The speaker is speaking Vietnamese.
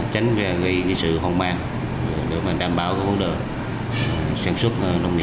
tránh ra gây sự không an đảm bảo hỗ trợ sản xuất